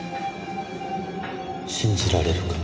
信じられるか。